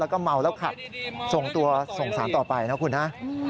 แล้วก็เมาแล้วขับส่งตัวส่งสารต่อไปนะคุณฮะ